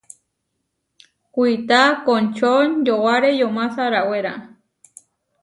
Kuitá končonyowáre yomá sarawéra.